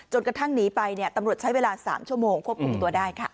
กระทั่งหนีไปตำรวจใช้เวลา๓ชั่วโมงควบคุมตัวได้ค่ะ